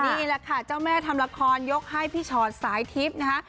นี่แหละค่ะเจ้าแม่ทำละครยกให้พี่ชอตสายทิพย์นะคะ